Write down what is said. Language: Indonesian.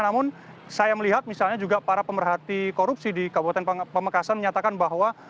namun saya melihat misalnya juga para pemerhati korupsi di kabupaten pamekasan menyatakan bahwa